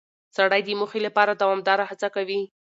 سړی د موخې لپاره دوامداره هڅه کوي